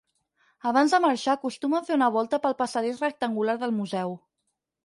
Abans de marxar acostuma a fer una volta pel passadís rectangular del museu.